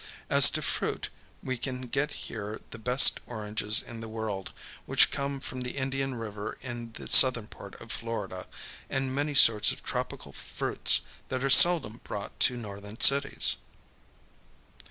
As to fruit, we can get here the best oranges in the world, which come from the Indian River in the southern part of Florida, and many sorts of tropical fruits that are seldom brought to Northern cities.